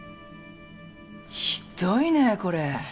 ひどいねこれ。